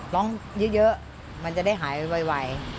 ร้องเยอะมันจะได้หายไว